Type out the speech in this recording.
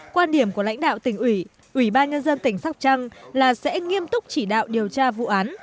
quan điểm của lãnh đạo tỉnh ubnd tỉnh sóc trăng là sẽ nghiêm túc chỉ đạo điều tra vụ án